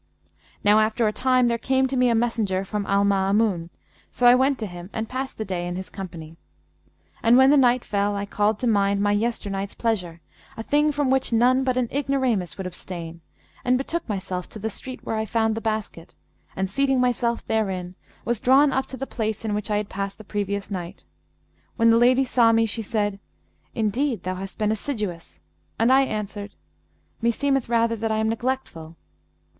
Now after a time there came to me a messenger from Al Maamun, so I went to him and passed the day in his company. And when the night fell I called to mind my yesternight's pleasure, a thing from which none but an ignoramus would abstain, and betook myself to the street, where I found the basket, and seating myself therein, was drawn up to the place in which I had passed the previous night. When the lady saw me, she said, 'Indeed, thou hast been assiduous;' and I answered, 'Meseemeth rather that I am neglectful.'